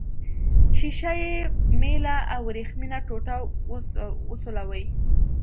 ښيښه یي میله او وریښمینه ټوټه وسولوئ.